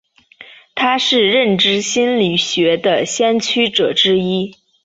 他是认知心理学的先驱者之一。